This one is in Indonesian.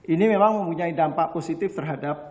ini memang mempunyai dampak positif terhadap